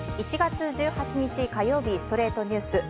１月１８日、火曜日『ストレイトニュース』。